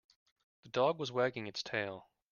The dog was wagged its tail.